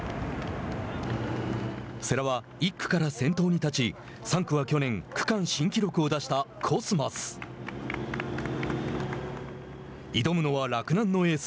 世羅は１区から先頭に立ち３区は去年区間新記録を出したコスマス。